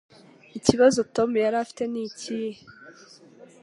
Ikibazo Tom yari afite nikihe?